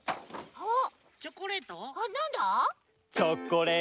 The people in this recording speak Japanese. あっ！